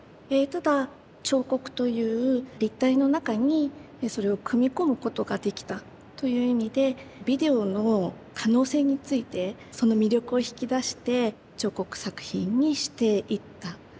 えただ彫刻という立体の中にそれを組み込むことができたという意味でビデオの可能性についてその魅力を引き出して彫刻作品にしていった。